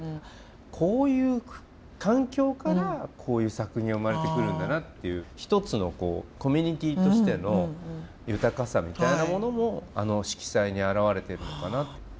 こういう環境からこういう作品が生まれてくるんだなっていう一つのコミュニティーとしての豊かさみたいなものもあの色彩に表れてるのかな。